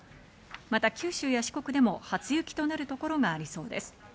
また、九州や四国でも初雪となるところがありそうです。